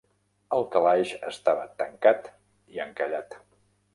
El calaix estava tancat i encallat.